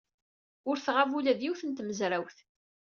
Ur tɣab ula d yiwet n tmezrawt.